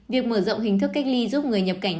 việc mở rộng hình thức cách ly giúp người nhập cảnh